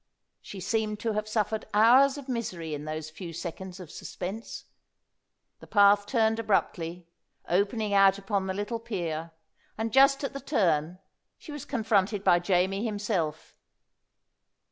She seemed to have suffered hours of misery in those few seconds of suspense. The path turned abruptly, opening out upon the little pier, and just at the turn she was confronted by Jamie himself.